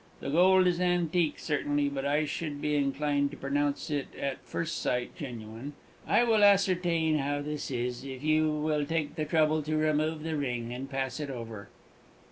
The gold is antique, certainly; but I should be inclined to pronounce it, at first sight, genuine. I will ascertain how this is, if you will take the trouble to remove the ring and pass it over!"